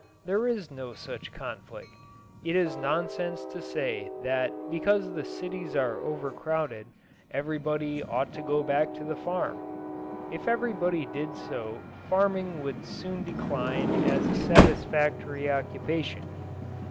There is no such conflict. It is nonsense to say that because the cities are overcrowded everybody ought to go back to the farm. If everybody did so farming would soon decline as a satisfactory occupation.